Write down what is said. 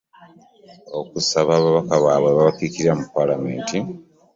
Okusaba ababaka baabwe ababakiikirira mu Paalamenti.